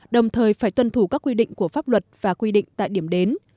đồng thời phải tuân thủ các quy định của pháp luật và quy định tại điểm đến